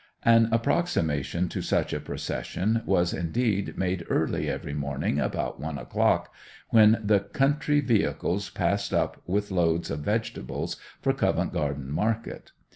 An approximation to such a procession was indeed made early every morning about one o'clock, when the country vehicles passed up with loads of vegetables for Covent Garden market.